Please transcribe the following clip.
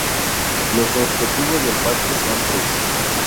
Los objetivos del parque son tres.